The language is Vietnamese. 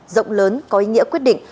rộng lớn có ý nghĩa quyết định